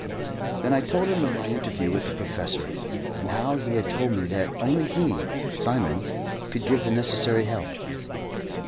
Then I told him of my interview with the professor, and how he had told me that only he Simon could give the necessary help.